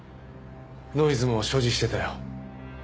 ノイズも所持していたよ。